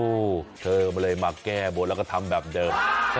โอ้โหเธอเลยมาแก้บนแล้วก็ทำแบบเดิม